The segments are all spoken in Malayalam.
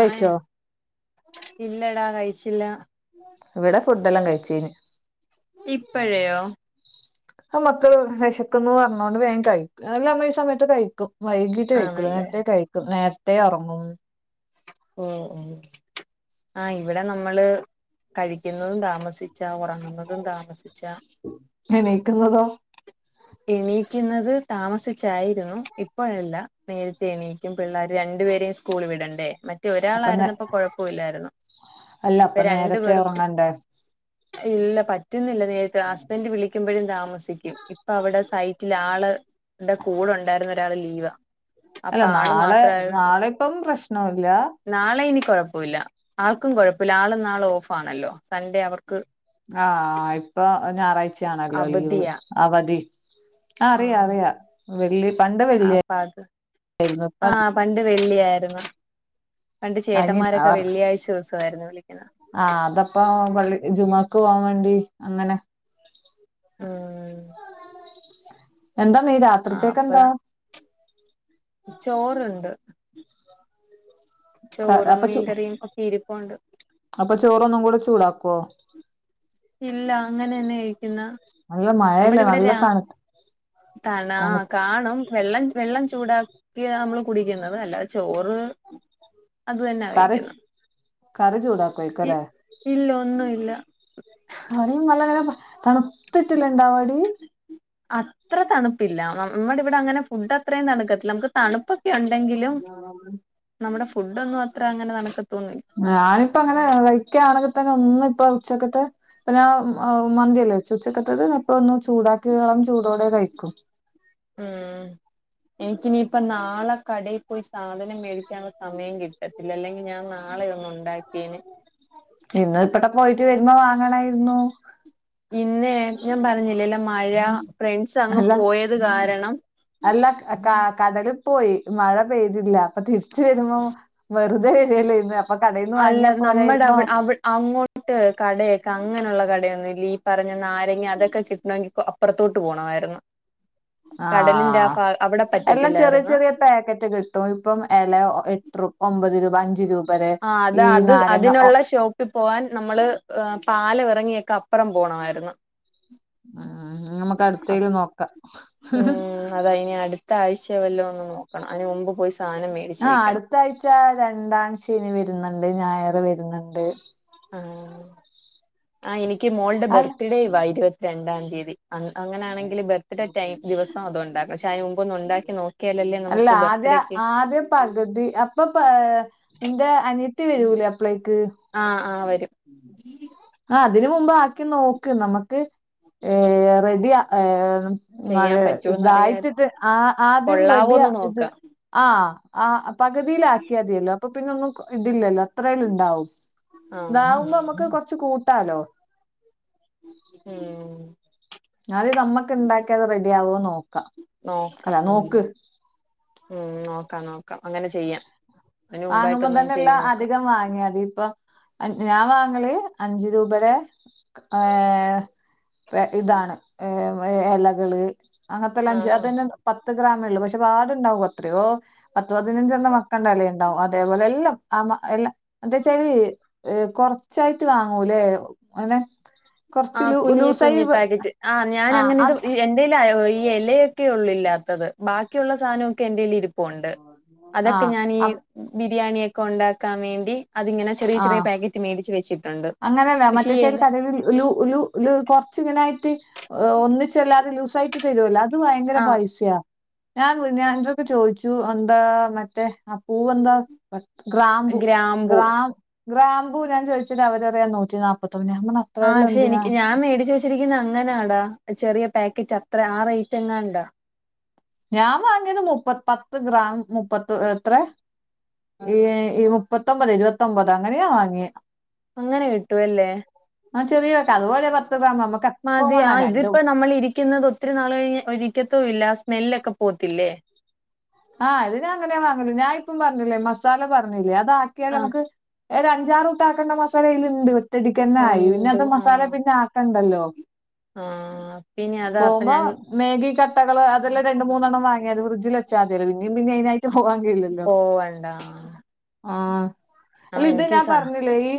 കഴിച്ചോ ഇല്ലടാ കഴിച്ചില്ല ഇവിടെ ഫുഡെല്ലാം കഴിച്ച് കയിഞ് ഇപ്പഴേയോ അത് മക്കള് വിശക്കുന്ന് പറഞ്ഞോണ്ട് വേഗം കഴിക്കും അല്ല നമ്മ ഈ സമയത്ത് കഴിക്കും വൈകിട്ട് കയിക്കൂല ആണല്ലേ നേരത്തെ കയിക്കും നേരത്തേ ഉറങ്ങും ഓഹ് ഓഹ് ആഹ് ഇവിടെ നമ്മള് കഴിക്കുന്നതും താമസിച്ചാ ഒറങ്ങുന്നതും താമസി എണീക്കുന്നതോ എണീക്കുന്നത് താമസിച്ചായിരുന്നു ഇപ്പോഴല്ല നേരത്തെ എണീ ക്കും പിള്ളേർ രണ്ടുപേരേം സ്കൂള് വിടണ്ടേ റ്റ് അപ്പൊ നേ ഒരാളായിരുന്നപ്പോ കൊഴപ്പവി ല്ലായിരുന്നു അല്ല ഇപ്പൊ അപ്പൊ രണ്ടു നേരത്തെ പേർക്കും ഉറങ്ങണ്ടേ ഇല്ല പറ്റുന്നില്ല നേരത്തെ ഹസ്ബൻഡ് വിളി യ്ക്കുമ്പോഴും താമസിക്കും ഇപ്പൊ അവിടെ സൈറ്റിൽ ആള് ടെ കൂടെ ഉണ്ടായിരുന്ന ഒരാള് ലീവാ അല്ല അപ്പൊ ആള് നാളെ മാത്രായോണ്ട് നാളെ ഇപ്പം പ്രശ്നവില്ല നാളെ ഇനി കുഴപ്പവില്ല ആൾക്കും കുഴപ്പവില്ല ആള് നാളെ ഓഫാണല്ലോ സൺഡേ അവർക്ക് ആഹ് ഇപ്പൊ ഞായറാഴ്ചയാണല്ലോ ലീവ് അവധിയാ അവധി ആഹ് അറിയ അറിയ വെള്ളി പണ്ട് വെള്ളിയേ അപ്പ അത് ര്ന്നു ഇപ്പോ ആ പണ്ട് വെള്ളിയായിരുന്നു പണ്ട് അനി ചേട്ടന്മാരൊക്കെ വെള്ളിയാഴ്ച ദിവസമായിരുന്നു വിളിക്കുന്നെ. ആഹ് അതപ്പ പള്ളി ജുമഅക്ക് പോവാൻ വേണ്ടി അങ്ങനെ ഉം എന്താ നീ ആ അപ്പ രാത്രിത്തേക്കെന്താ ചോറുണ്ട് ചോറും അപ്പൊ ചു മീൻകറിയും ഒക്കെ ഇരുപ്പുണ്ട് അപ്പൊ ചോറൊന്നും കൂടെ ചൂടാക്കോ? ഇല്ല അങ്ങനെന്നെ ക്കുന്നാ നല്ല മഴയല്ലേ നമ്മടിവിടെ നല്ല രാ തണു തണു തണാഹ് കാണും വെള്ളം വെള്ളം ചൂടാക്കിയാമ്മള് കുടിക്കുന്നെ അല്ലാതെ ചോറ് അത് തന്നാ കറി കഴിക്കുന്ന് കറി ഇ ചൂടാക്കുവായിക്കല്ലേ ഇല്ല ഒന്നും ഇല്ല അതിനും നല്ല നേരം തണുത്തിട്ടില്ല ഇണ്ടാവാടി അത്ര തണുപ്പില്ല നമ്മുടെ ഇവിടെ അങ്ങനെ ഫുഡ് അത്രയും തണുക്കത്തില്ല നമുക്ക് തണുപ്പ് ഉണ്ടെങ്കിലും നമ്മുടെ ഫുഡ് ഒന്നും അത്ര അങ്ങനെ താണ്ക്കത്തോന്നില്ല ഞാനിപ്പ അങ്ങനെ കഴിക്കയാണെങ്കിൽ തന്നെ ഒന്ന് ഇപ്പ ഉച്ചക്കത്തെ പ്പ ഞ്ഞാ ആഹ് മന്തിയല്ലേ വെച്ചു ഉച്ചക്കെത്തത് ഇപ്പ ഒന്ന് ചൂടാക്കി ഒര് ഇളം ചൂടോടെ കഴിക്കും ഉം എനിക്ക്‌ ഇനിയിപ്പ നാളെ കടയിൽ പോയി സാധനം മേടിക്കാനുള്ള സമയം കി ട്ടത്തില്ലഅല്ലെങ്കിൽ ഞാൻ നാളെയൊന്ന് ഉണ്ടാക്കിയേനെ ഇന്ന് ഇബടെ പോയിട്ട് വരുമ്പോ വാങ്ങണായിരുന്നു ഇന്നേ ഞാൻ പറഞ്ഞില്ലേല്ലേ മഴ ഫ്രണ്ട്സ് അങ്ങ് അല്ല പോയത് കാരണം കടലി പോയി മഴ പെയ്തില്ല അപ്പൊ തിരിച്ച് വരുമ്പോം വെറുതെ വരിയല്ലര്ന്ന് അല്ല നമ്മുടെ അവടെ അവ അങ്ങോ ട്ട് കടയൊക്കെ അങ്ങനെയുള്ള കടയൊന്നുംല്ല. ഈ പറഞ്ഞ നാരങ്ങ അതൊക്കെ കിട്ടണങ്കിൽ അപ്പുറത്തോട്ട് പോണമായിരുന്ന്. കടലിന്റെ ആഹ് ഫാഗ് അവിടെ എല്ലാം ചെറിയ പറ്റത്തില്ലായിരുന്ന് ചെറിയ പാക്കറ്റ് കിട്ടും ഇപ്പം ഇല എട്രൂ ഒമ്പത് രൂപ അഞ്ച് രൂ ആഹ് അത അത് അതിനുള്ള ഷോ പോവാൻ നമ്മള് പാല ഇറങ്ങിയൊക്കെ അപ്പുറം പോണമായിരുന്നു ഉം നമക്കടുത്തേൽ നോക്കാം അതൈനിയാട് ത്ത ആഴ്ചയ വല്ലോ ഒന്ന് നോക്കണം അതിന് മുമ്പ് പോയി സാധനമേ ആഹ് അടുത്ത ആഴ്ച രണ്ടാം ശനി വരുന്നുണ്ട് ഞായറ് വരുന്നുണ്ട്. ആഹ് എനിക്ക് മോളുടെ അല്ല ബർത്ത്ഡേ യുവ ഇരുപത്തി രണ്ടാം തീയതി അങ്ങനൊണെങ്കിൽ ബർത്ത് ഡേ ടൈം ദിവസം അത ഉണ്ടാക്കും പക്ഷെ അതിന് മുമ്പൊ ഒന്ന് ഉണ്ടാക്കി നോക്കിയാലല്ലേ അല്ല നമുക്ക് ആദ്യ ബർത്ത്ഡേക്ക് ആദ്യ പകുതി അപ്പൊ പ എന്റെ അനത്തി വരൂലേ അപ്ളേക്ക്? ആഹ് ആഹ് വരും ആഹ് അതിന് മുമ്പ് ആക്കി നോക്ക് നമുക്ക് ഏയ് റെഡി ഏയ് ചെയ്യാൻ അതെ പറ്റുവോന്നറിയാൻ തായിട്ടിട്ട് ആ ആദ്യം വറെടിയാ കൊള്ളാവോന്ന് ഇത് നോക്കാം ആഹ് ആഹ് പകുതിയില ആക്കിയാതിയല്ലോ അപ്പൊ പിന്നെ ഒന്നും ഇടില്ലല്ലോ അത്രേല്ലും ണ്ടാവും ആ താവുമ്പോ നമ്മുക്ക് കൊറച്ച കൂട്ടാലോ ഉം അത് നമ്മക്ക് ണ്ടാക്കിയത് റെഡി ആവോന്ന് നോക്കാം അല്ല നോക്ക് മ് നോക്കാം നോക്കാം അങ്ങനെ ചെയ്യാം അതിന് വാങ്ങുമ്പോ മുമ്പായിട്ടൊന്നൊന്ന് തന്നെയള്ള ചെയ്ത് നോക്കാം അധികം വാങ്ങിയാ മതി പ്പൊ ഞാൻ വാങ്ങല് അഞ്ച് രൂപരെ ഏഹ് ഇതാണ് ഇലകള് അങ്ങനത്തെല്ല അഞ്ച് ആഹ് അതന്നെ പത്ത് ഗ്രാമള്ളു പക്ഷെ പാടുണ്ടാവും അത്രയോ പത്ത് പതിനഞ്ചെണ്ണം മക്കണ്ടല്ലേ ണ്ടാവും അതേപോലെ എല്ലാം ആ എല്ല എന്താച്ചാരി കൊറച്ചായിട്ട് വാങ്ങൂല്ലെ അതെ ആ കുഞ് കുഞ് പാക്കറ്റ് ആ ആഹ് ഞാനങ്ങനെ ഇത് അത് എ ഈ ഇലയൊക്കെ ഉള്ളൂ ഇല്ലാത്തത് ബാക്കിയുള്ള സാധനമൊക്കെ എന്തേൽ ഇരീ - ണ്ട് അതൊക്കെ ആഹ് ഞാൻ ഈ അപ് ബിരിയാണിയൊക്കെ ണ്ടാക്കാൻ വേണ്ടി അതിങ്ങനെ ചെറിയ ചെറിയ ആഹ് പാക്കറ്റ് മേടിച്ച് വച് അങ്ങനെയല്ല മറ്റേ ചേരി [unintelligible] ഒരു കൊറച്ചിങ്ങനൊയിട്ട് ഒന്നിചെല്ലാതെ ലൂസായിട് തരുല്ലോ അത് ഭയങ്കര ആഹ് പൈസയാ. ഞാൻ വിനഞാനന്തൊക്കെ ചോദിച്ചു എന്താ മറ്റേ ആ പൂവെന്താ? ഗ്രാമ്പു ഗ്രാമ്പൂ ഗ്രാം ഗ്രാമ്പു ഞാൻ ചോച്ച ചിന അവര റിയ നൂറ്റി നാൽപ്പൊന്ന് [unintelligible] ആ ക്ഷെ നിക്ക് ഞാൻ മേടിച് വെച്ച് അങ്ങനൊടാ ചെറിയ പാക്കറ്റ് അത്ര ആ റേറ്റ് എങ്ങാണ്ടാ ഞാൻ വാങ്ങിയത് മുപ്പ പത്ത് ഗ്രാം മുപ്പത്ത എത്ര? ഈ ഈ മുപ്പത്തൊമ്പത് ഇരുപത്തൊമ്പത് അങ്ങനെയാ വാങ്ങിയ അങ്ങനെ കിട്ടുവല്ലേ? ആ ചെറിയ വക്ക അപോലെ പത്ത് ഗ്രാം നമുക്ക മതി ആ ഇതിപ്പോ നമ്മൾ ഇരിക്കുന്നത് ഒത്തിരി നാൾ ഒരിക്കത്തും ഇല്ല സ്മെല്ലൊക്കെ പോകത്തില്ലേ ആഹ് ഇതിന അങ്ങനെയാ വാങ്ങൂ ഞൻ ഇപ്പം പറഞ്ഞില്ലേ മസാല പറഞ്ഞില്ലേ അത ആക്കിയാലൊ ആ നമുക്ക് ഒരു അഞ്ചാറൂട്ട ആക്കേണ്ട മസാല അതില ഇണ്ട് ഒറ്റടിക്ക് തന്നെ ആയി പിന്നെ ഉണ്ട് അത് മസാല ആഹ് പിന്നെ- ക്കണ്ടല്ലോ? ആഹ് പിന്നെ അതാ അപ്പൊ ഞാൻ മേഗി കട്ടകൾ അതല്ലാം രണ്ട മൂന്നണ്ണം വാങ്ങിയത് ഫ്രഡ്ജ വെച്ചാ മതിയല്ലോ പിന്ന പിന്നെ അതിന പോവാൻ കയില്ലല്ലോ പോവണ്ട ആഹ് അല്ല ആഹ് ഇത് എനിക്ക് ഞാൻ സ പറഞ്ഞില്ലേ ഈ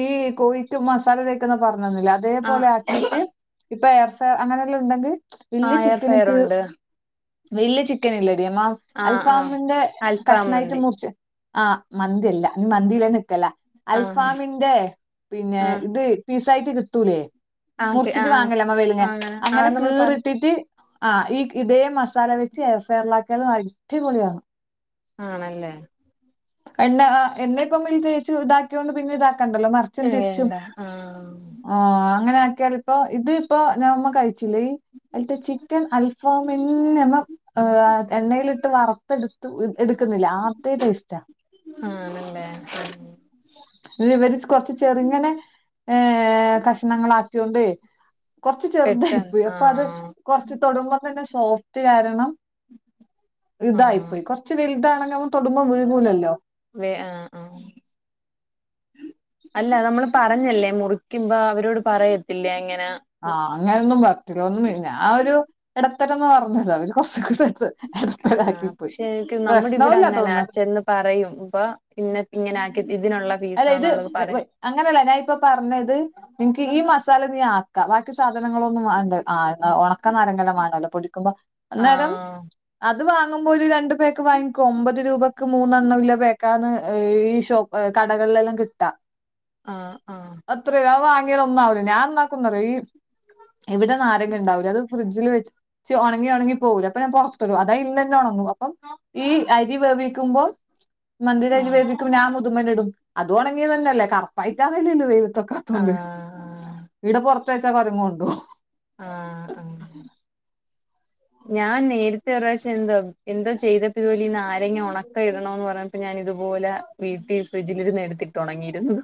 ഈ കോഴിക്ക് മസാല തേക്കുന്ന പറഞ്ഞന്ന്ല്ലെ അതേപോലെ ആഹ് ആക്കീട്ട് ഇപ്പൊ എയർഫ്രയർ അങ്ങനെയല്ല ഉണ്ടെങ്കിൽ വലയ ആഹ് എയർ ഫയർ ചിക്കനിക്ക് ഉണ്ട് വല്യ ചിക്കല്ലടിയ മാ ആഹ് ആഹ് അൽഫാമിന്റെ അൽഫാം കഷ്ണമായിട്ട് മന്തി മുർച്ച് ആഹ് മന്തില്ല ന്ന് മന്തിവേം നിക്കലാ ആഹ് അൽഫാമിന്റെ പിന്നെ ആഹ് ഇത് പിസായ്ട്ട് കിട്ടൂലേ ആഹ് മുറിച്ചിട്ട് ആഹ് വാങ്ങല വേല്ങ്ങേ ആണ് അങ്ങനെ ആഹ് നമ്മള് പറ കീറിട്ട്ട്ട് ആഹ് ഈ ഇതേ മസാല വെച്ച് എയർഫെയറിൽ ആക്ക്യാലും അടിപൊള്യാണ്. ആണല്ലേ എണ്ണ എണ്ണ ഇപ്പയ്മല് തേച്ച് താക്ക്യോണ്ട് പിന്നെ ഇതാക്കണ്ടല്ലോ മർ ച്ചൻ തിരിച്ചും വേണ്ട ആഹ് ആഹ് അങ്ങനെ ആക്കിയാൽ ഇപ്പൊ ഇത് ഇപ്പോ ഞമ്മ കഴിച്ചില്ല ഈ അൽത്തെ ചിക്കൻ അൽഫാമെന്നെ മം ഏഹ് എണ്ണേല്ട്ട് വറ്ത്തെട്ത്ത് എടുക്കുന്നില്ലെ അതേ ടേസ്റ്റാ ആഹ് ഇല്ല ഇവര് കൊർച്ച് ചെർങ്ങനെ ഏഹ് കഷ്ണങ്ങളാക്ക്യോണ്ടെയ് കൊർച്ച് ചെർതായി പെട്ടെന്ന് പോയി അപ്പൊ അത് ആഹ് കൊർച്ച് തൊടുമ്പോ തന്നെ സോഫ്റ്റ് കാരണം ആഹ് ഇതായിപ്പോയി കൊർ കോർച്ച് വെൽതാണെങ്ങ അവൻ തൊടുമ്പോ വിഴ്ങ്ങൂലല്ലോ വേ ആഹ് ആഹ് അല്ല നമ്മള് പറഞ്ഞല്ലേ മുറിക്കുമ്പ അവരോട് പറയത്തില്ലേ അങ്ങനാ ആഹ് അങ്ങനന്നും പറത്തില്ല ഞാഒരു ഇടത്തരന്ന് പറഞ്ഞല്ലോ അവര് കൊർച്ചൊക്കെ ആഹ് പക്ഷെ എക്ക് നമ്മടെ ഇവടെ അങ്ങനാ തോന്നുന്നു ചെന്ന് പറയും പ്പൊ പിന്നെ ഇങ്ങനെ ആക്കി ഇതിനുള്ള അല്ലെ ഇത് ഫീസാന്നുള്ളത് വെയ് പറയും വെയ് അങ്ങനല്ല ഞാൻ ഇപ്പൊ പറഞ്ഞത് നിക്ക് ഈ മസാല നീ ആക്കാ [unintelligible] സാധനങ്ങളൊന്നും വാണ്ടെ ആഹ് ഒണക്ക നാരങ്ങെല്ലാം വാണോലോ പൊടിക്കുമ്പോ അന്നേരം ആഹ് അത് വാങ്ങുമ്പോ ഒരു രണ്ട് പേക്ക് വാങ്ങിക്കോ ഒമ്പത് രൂപക്ക് മൂന്നെണ്ണോല്ല പേക്കാന്ന് ഈ ഷോപ്പ് കടകളിലെല്ലാം കിട്ടാ ആഹ് ആഹ് അത്രേ അത് വാങ്ങിയാ ഒന്നാവൂല ഞാനെന്നാക്കുന്നറിയോ ഈ ഇവിടെ നാരങ്ങണ്ടാവൂല അത് ഫ്രഡ്ജിൽ വെച്ച് ച് ഒണങ്ങി ഒണങ്ങി പോവൂലെ അപ്പ ഞാൻ പൊർത്ത്ടും അതയ്ലെന്നെ ഒണങ്ങും അപ്പം ഈ അരി വേവിക്കുമ്പോ മന്തീടെ അരി വേവിക്കുമ്പോ ഞാം [unintelligible] ഇടും അതും ഒണങ്യേതന്നല്ലെ കർ പൈത്തതല്ലല്ലൊ ആഹ് വെയ്ലത്ത്വെക്കാത്തോണ്ട് ആഹ് ഇവിടെ പൊർത്ത് വെച്ചാ കൊരങ്ങ് കൊണ്ടുപോവും ആഹ് ആഹ് ഞാൻ നേരത്തെ ഒര് പ്രാവശ്യം എന്തോ എന്തോ ചെയ്തപ്പൊ ഇത്പോലി ഈ നാരങ്ങഒണ ക്ക ഇടണോന്ന് പറഞ്ഞപ്പോ ഞാനിത്പോലെ വീട്ടി ഫ്രിഡ്ജിൽ നിന്ന് എടുത്തിട്ട് ഒണങ്ങിയിര്ന്നു.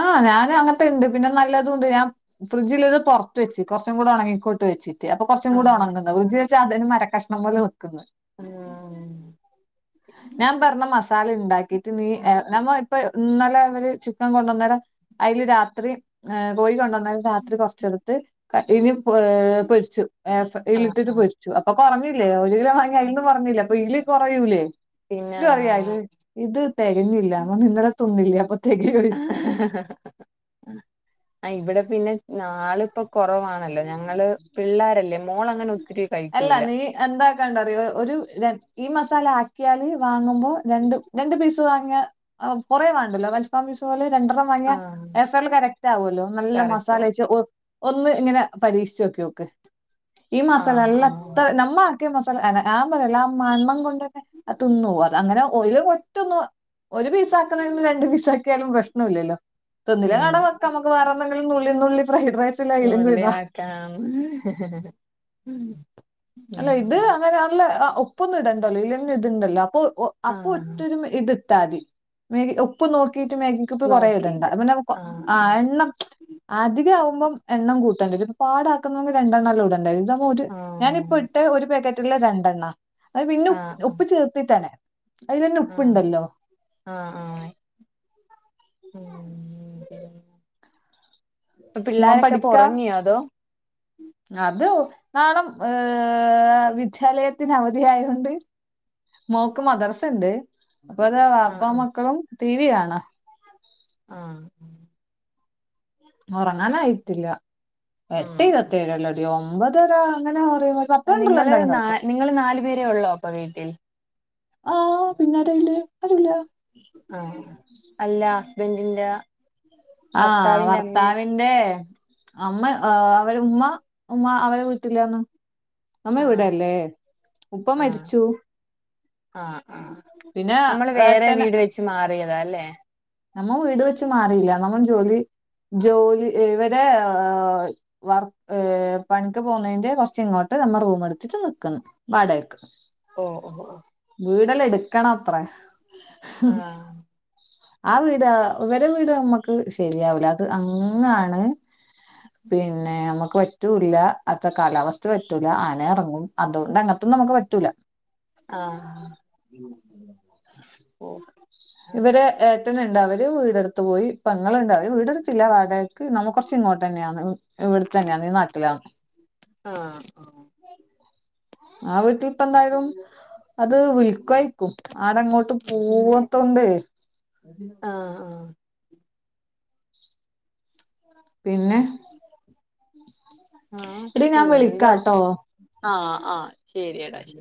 ആഹ് ഞാൻ അങ്ങനത്തെണ്ട് പിന്നെ നല്ലതൂണ്ട് ഞാം ഫ്രിഡ്ജില് ഇത് പൊർത്ത് വെച്ച് കൊറച്ചും കൂടെ ഒണങ്ങിക്കോട്ട് വെച്ച് അപ്പൊ കൊർച്ചും കൂടെ ആഹ് ഒണങ്ങുന്ന് ഫ്രിഡ്ജി വെച്ചാ അതന് മര കഷ്ണം പോലെ നിക്ക്ന്ന് ഉം ഞാൻ പറഞ്ഞ മസാല ഇണ്ടാക്കിട്ട് നീ നമ്മ ഇപ്പ ഇന്നലെ ഇവര് ചിക്കൻ കൊണ്ടന്നേരം അയ്ൽ രാത്രി കോയി കൊണ്ടന്നേരം രാത്രി കൊർച്ചെട്ത്ത് ഇനി പൊരിച്ചു. ഏഹ് ആഹ് ഫ്രൈയിലിട്ട്ട്ട് ആഹ് പൊരിച്ചു. ച്ചു അപ്പൊ കൊർഞ്ഞില്ലേ ഒരു കിലോ വാങ്ങിയ അന്നും കൊർഞ്ഞില്ലെ അപ്പൊ ഇല് കുറയൂലേ പിന്നെ ന്ന്ട്ട്പറയാ ഐല് ഇത് തെകഞ്ഞില്ല ഞാം പർഞ്ഞു ഇന്നലെ തിന്നില്ലേ അപ്പ തെകയോയ്ച്ചു ആഹ് ഇവടെ പിന്നെ നാള് ഇപ്പൊ കൊറവാണല്ലോ ഞങ്ങള് പിള്ളോരല്ലേ മോളങ്ങനെ ഒത്തിരി അല്ല കഴിക്കൂല നീ എന്താക്കാണ്ടറിയോ ഒരു രൺ ഈ മസാല ആക്ക്യാല് വാങ്ങുമ്പോ രണ്ട് രണ്ട് പീസ് വാങ്ങിയാ ആഹ് കൊറേവാണ്ടല്ലോ അൽഫാം പീസ് പോലെ രണ്ടെണ്ണം വാങ്യാ ആഹ് എസാറില് കറക്റ്റാവോലൊ നല്ല കറക്റ്റാ മസാലേച്ച് ഒന്ന് ങ്ങനെ പരീക്ഷിച്ചോക്ക്യോക്ക് ഈ മാസാല ആഹ് ആഹ് നല്ലത്ര നമ്മളെ ക്ക്‌ മസ ആ മസല്ല ആ മാൺമം കൊണ്ട് തന്നെ തിന്നോ അത് അങ്ങനെ ഒിവ കൊറ്റൊന്ന ഒരു പീസ ആക്കുന്നന്ന് രണണ്ട്പീസ ആക്കിയാലും പ്രശ്നം ഇല്ലല്ലോ തിന്ന്ലെ ഉം ആട വക്ക നമുക്ക് വേറെ എന്തെങ്കിലും നുള്ള നുള്ളി ഫൈഡ് റൈസ്ല്ല അലും കഴുതാ ലാം അല്ല ഇത് അങ്ങനെ ആല്ല ഒപ്പൊന്നും ഇടണ്ടല്ലോ ഇല്ലന്ന ഇടണ്ടല്ലോ അപ്പൊ അപ്പൊ ആഹ് ഒറ്റൊരു ഇതിത്താതി മഗി ഒപ്പ് നോക്കിട്ട് മാഗി ക്ക്‌പ്പ കുറേ ഇടണ്ട പിന്നെ ആഹ് എണ്ണം അധികമാവുമ്പോം എണ്ണം കൂട്ടുണ്ടായി ഇപ്പൊ പാടാക്കുന്നത രണ്ടെണ്ണംല്ല ഇടണ്ട ഇ ന ഒരു ഞാനി ആഹ് ട്ടെ ഒരു പാക്കറ്റില് രണ്ടെണ്ണ അഹ് പിന്നെ ഉ ആഹ് ഉപ്പ് ആഹ് ചേർത്തിട്ടാണ് അയിൽന്നെ ആഹ് ഉപ്പ്ണ്ടല്ലോ ആഹ് ആഹ ഉം പ്പൊ മോൻ പിള്ളോരൊക്കെ പഠിക്ക ഉറങ്ങിയോ അതോ അത് നാളം ഏഹ് വിദ്യാലയത്തിന് അവധി ആയോണ്ട് മോക്ക് മദർസുണ്ട് പ്പൊത വാപ്പ ആഹ് ആഹ് മക്കളും ടി വി കാണാ ആഹ് ഉറങ്ങാനായിട്ടില്ല എട്ട് ഉം ഇരുപത്തേര അല്ലോ അട ഒമ്പതര അങ്ങനെ പറ അഹ് നിങ്ങള് നിങ്ങള് നാലു പേരെ ഉള്ളോ പ്പ വീട്ടിൽ ആഹ്‌ പിന്നെ അതയില്ലേ അതില്ല ആഹ്‌ അല്ല ഹസ്ബന്റിന്റെ ആഹ് ഭർത്താവിന്റെ അമ്മ അവര് ഉമ്മ ഉമ്മ അവരെ വീറ്റില്ലന്ന് നമ്മ ആഹ് ഇവിടല്ലേ ഉപ്പ ആഹ് മരിച്ചു ആഹ് ആഹ് പിന്നെ നമ്മള് വേറെ എട്ടന് വീട് വെച്ച് മാറിയതാ അല്ലേ നമ്മ വീട് വെച്ച് മാറിയില്ല നമ്മ ജോലി ജോലി ഇവരെ വർ പണിക്ക് പോകുന്നതിന്റെ കുറച്ച് ഇങ്ങോട്ട് നമ്മ റൂം എടുത്തിട്ട് നിൽക്കുന്നു വാടെക്ക് ഓ ഓ ഓ വീടല്ലാ എടുക്കണ അത്രേ ആഹ്‌ ആ വീട് വരെ വീട് നമ്മക്ക് ശരിയാവുല അത് അങ്ങാണ് പിന്നെ നമ്മുക്ക് പറ്റൂല്ല അത്ത കാലാവസ്ഥ പറ്റൂല ആന ഇറങ്ങും അതുകൊണ്ട് അങ്ങനൊന്നും നമ്മുക്ക് പറ്റൂല ആഹ്‌ [unintelligible] [unintelligible] [unintelligible] ഇവരെ ഏട്ടന്ണ്ടല് വര് വീട്ടുത്ത് പോയി പെങ്ങൾണ്ട് അയി വീടെടുത്തില്ല വാടകക്ക് നമെ കൊർച് ഇങ്ങോട്ടെന്നെയാണ് ഇവിടെത്തന്നെയാ ഈ നട്ടിലാ ആഹ്‌ ആഹ്‌ ആ വീട്ടി ഇപ്പ എന്തായതു. അത് വിൽകായിക്കു ആരങ്ങോട്ട് പോവതോണ്ടേ ആഹ് ആഹ് പിന്നെ ആഹ് എടി ഞാൻ വിളിക്കാട്ടോ ആഹ്‌ ആഹ് ശരിയടാ ശി